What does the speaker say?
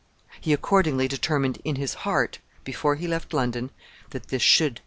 He accordingly determined in his heart, before he left London, that this should be done.